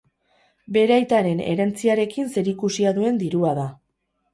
Bere aitaren herentziarekin zerikusia duen dirua da.